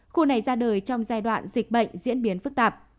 khu này ra đời trong giai đoạn dịch bệnh diễn biến phức tạp